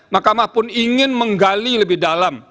mahkamah pun ingin menggali lebih dalam